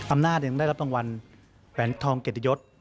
อำนาจยังได้รับรางวัลแหวนทองเกียรติยศ